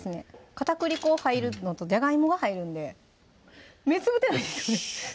片栗粉入るのとじゃがいもが入るんで目つぶってないですよね？